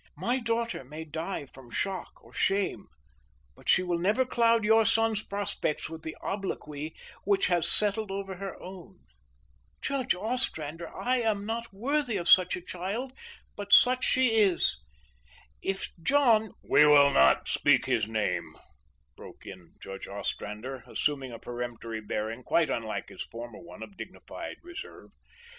My daughter may die from shock or shame, but she will never cloud your son's prospects with the obloquy which has settled over her own. Judge Ostrander, I am not worthy of such a child, but such she is. If John " "We will not speak his name," broke in Judge Ostrander, assuming a peremptory bearing quite unlike his former one of dignified reserve.